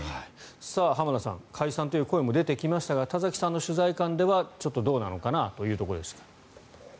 浜田さん解散という声も出てきましたが田崎さんの取材感ではちょっとどうなのかなというところですが。